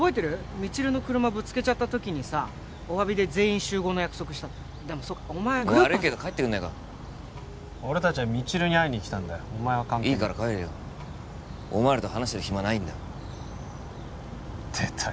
未知留の車ぶつけちゃった時にさおわびで全員集合の約束したのでもそうかお前グループ悪いけど帰ってくんないか俺達は未知留に会いに来たんだよいいから帰れよお前らと話してる暇ないんだ出たよ